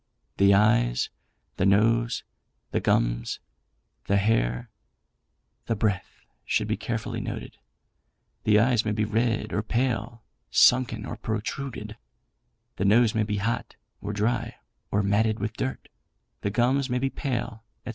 The eyes, the nose, the gums, the hair, the breath, should be carefully noted. The eyes may be red or pale, sunken or protruded; the nose may be hot, or dry, or matted with dirt; the gums may be pale, &c.